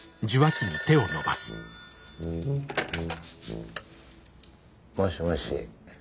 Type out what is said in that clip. ☎もしもし。